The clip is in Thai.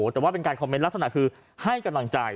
แต่ว่าเป็นการคอมเมนต์ลักษณะคือให้กำลังใจ